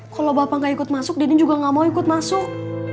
kalau bapak gak ikut masuk denny juga gak mau ikut masuk